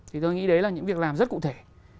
thì tôi nghĩ đấy là những việc làm rất cụ thể